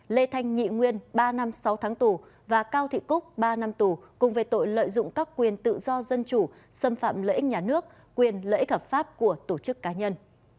lê thanh nhị nguyên ba năm sáu tháng tù và cao thị cúc ba năm tù cùng về tội lợi dụng các quyền tự do dân chủ xâm phạm lợi ích nhà nước quyền lợi ích hợp pháp của tổ chức cá nhân